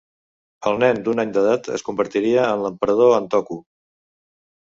El nen d'un any d'edat es convertiria en l'emperador Antoku.